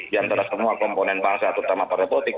diantara semua komponen bahasa terutama pada politik